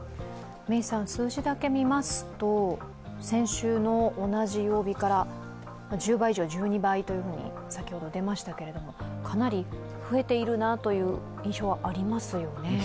数字だけ見ますと先週の同じ曜日から１２倍と先ほど出ましたけれども、かなり増えているなという印象はありますよね。